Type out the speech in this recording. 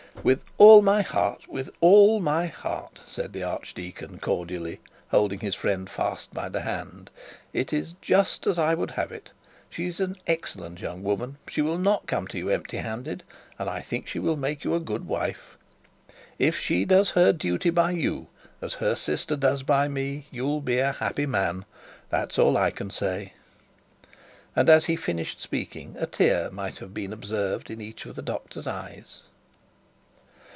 'With all my heart, with all my heart,' said the archdeacon cordially, holding his friend by the hand. 'It's just as I would have it. She is an excellent young woman; she will not come to you empty handed; and I think she will make you a good wife. If she does her duty by you as her sister does by me, you'll be a happy man; that's all I can say.' And as he finished speaking, a tear might have been observed in each of the doctor's eyes.'